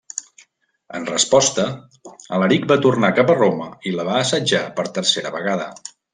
En resposta, Alaric va tornar cap a Roma i la va assetjar per tercera vegada.